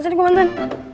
sini gue bantuin